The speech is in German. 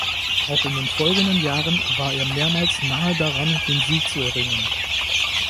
Auch in den folgenden Jahren war er mehrmals nahe daran, den Sieg zu erringen.